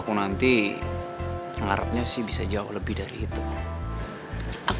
coba berdiri dong